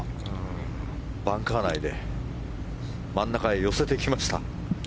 バンカー内で真ん中へ寄せてきました。